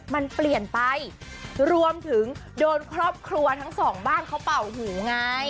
มันเปลี่ยนไปรวมถึงโดนครอบครัวทั้งสองบ้านเขาเป่าหูไง